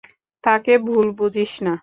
তাকে ভুল বুঝিস না।